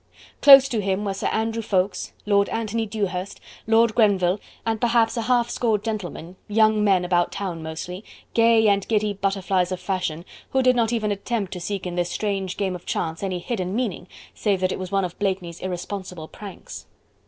Close to him were Sir Andrew Ffoulkes, Lord Anthony Dewhurst, Lord Grenville and perhaps a half score gentlemen, young men about town mostly, gay and giddy butterflies of fashion, who did not even attempt to seek in this strange game of chance any hidden meaning save that it was one of Blakeney's irresponsible pranks.